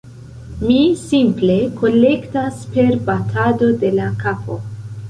mi simple kolektas per batado de la kapo.